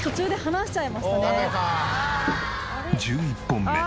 １１本目。